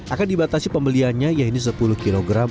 akan dibatasi pembeliannya yaitu sepuluh kg